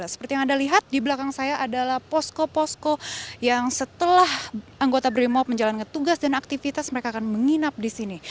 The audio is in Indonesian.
seperti yang anda lihat di belakang saya adalah posko posko yang setelah anggota brimop menjalankan tugas dan aktivitas mereka akan menginap di sini